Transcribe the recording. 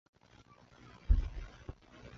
阿里耶格河畔弗尔里埃人口变化图示